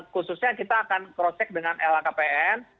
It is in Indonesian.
khususnya kita akan cross check dengan lhkpn